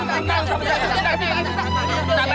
apa aku bisa ketemu sama kamu lagi